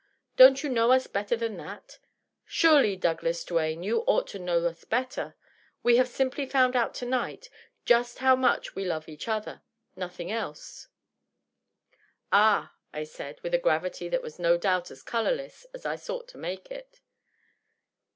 " Don't you know us better than that ? Surely, Douglas Duane, you ought to know us better. We have simply found out to night just now much we love each other — ^nothing else 1'' " Ah !" I said, with a gravity that was no doubt as colorless as I sou^t to make it.